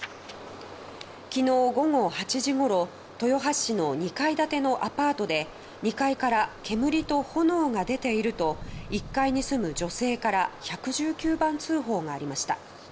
昨日午後８時ごろ豊橋市の２階建てのアパートで２階から煙と炎が出ていると１階に住む女性から１１９番通報がありました。